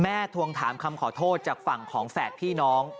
ทวงถามคำขอโทษจากฝั่งของแฝดพี่น้อง